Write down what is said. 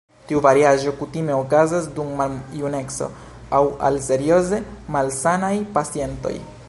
Tiu variaĵo kutime okazas dum maljuneco aŭ al serioze malsanaj pacientoj.